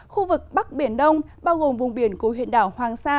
khu vực bắc biển đông bao gồm vùng biển của huyện đảo hoàng sa